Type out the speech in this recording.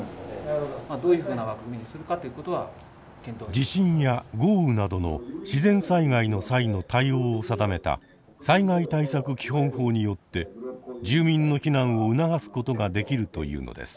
地震や豪雨などの自然災害の際の対応を定めた災害対策基本法によって住民の避難を促すことができるというのです。